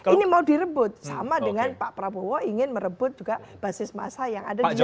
ini mau direbut sama dengan pak prabowo ingin merebut juga basis masa yang ada di jawa